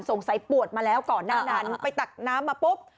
ส่งใส่ปวดมาแล้วก่อนมาตักน้ำมาปุ๊บ